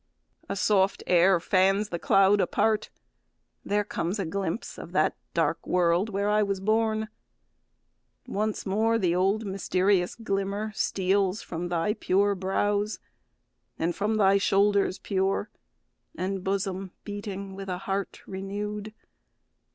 A soft air fans the cloud apart; there comes A glimpse of that dark world where I was born. Once more the old mysterious glimmer steals From thy pure brows, and from thy shoulders pure, And bosom beating with a heart renew'd.